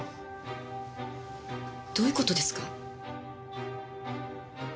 どういう事ですか？